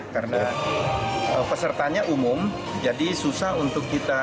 karena pesertanya umum jadi susah untuk kita